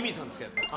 やっぱり。